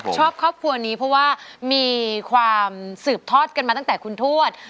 ครอบครัวนี้เพราะว่ามีความสืบทอดกันมาตั้งแต่คุณทวด